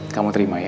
kamu terima ya